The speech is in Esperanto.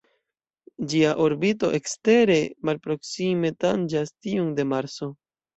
Ĝia orbito ekstere malproksime tanĝas tiun de Marso.